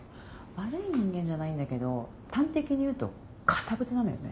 悪い人間じゃないんだけど端的に言うと堅物なのよね。